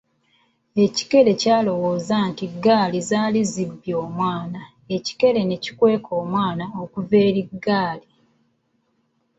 Ekikere kyalowooza nti ngaali zaali zibbye omwana, ekikere ne kikweka omwana okuva eri ngaali.